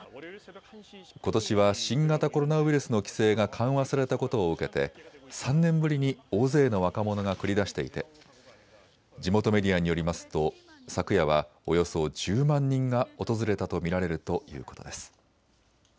ことしは新型コロナウイルスの規制が緩和されたことを受けて３年ぶりに大勢の若者が繰り出していて地元メディアによりますと昨夜はおよそ１０万人が訪れたと見られるということです。